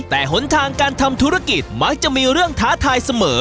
แต่หนทางการทำธุรกิจมักจะมีเรื่องท้าทายเสมอ